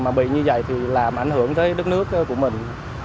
mà bị như vậy thì làm ảnh hưởng tới đất nước của mình